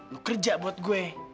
lu kerja buat gue